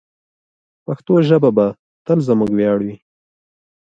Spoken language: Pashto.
پښتو ژبه به تل زموږ ویاړ وي.